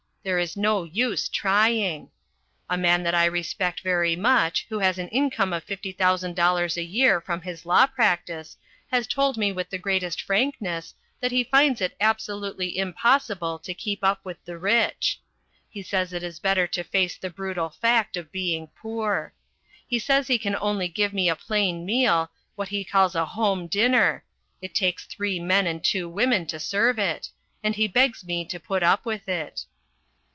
There is no use trying. A man that I respect very much who has an income of fifty thousand dollars a year from his law practice has told me with the greatest frankness that he finds it absolutely impossible to keep up with the rich. He says it is better to face the brutal fact of being poor. He says he can only give me a plain meal, what he calls a home dinner it takes three men and two women to serve it and he begs me to put up with it.